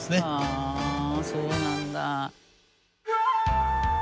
はあそうなんだ。